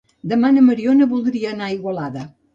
Demà na Mariona voldria anar a Igualada.